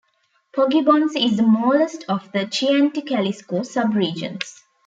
Poggibonsi is the smallest of the Chianti Classico sub-regions.